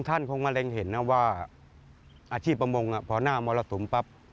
ท่านคงมะเร็งเห็นนะว่าอาชีพประมงพอหน้ามรสุมปั๊บ